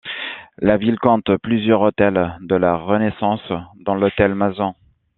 La ville compte plusieurs hôtels de la Renaissance, dont l’hôtel Mazan.